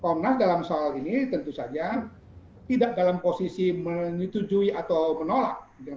komnas dalam soal ini tentu saja tidak dalam posisi menyetujui atau menolak